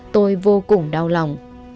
tôi vô cùng đau lòng